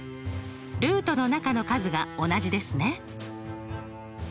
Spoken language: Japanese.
ルートの中の数が同じですね。